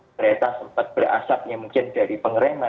ternyata sempat berasapnya mungkin dari pengereman